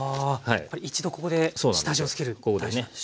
一度ここで下味をつける大事なんですね。